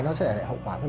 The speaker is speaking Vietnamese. nó sẽ hậu quả